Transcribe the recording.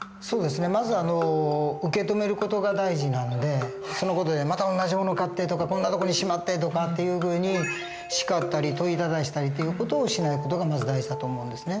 まず受け止める事が大事なんでその事で「また同じ物買って」とか「こんなとこにしまって」とかっていうふうに叱ったり問いただしたりって事をしない事がまず大事だと思うんですね。